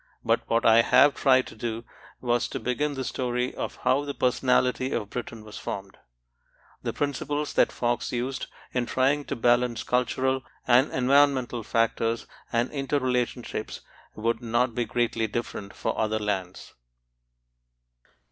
But what I have tried to do was to begin the story of how the personality of Britain was formed. The principles that Fox used, in trying to balance cultural and environmental factors and interrelationships would not be greatly different for other lands.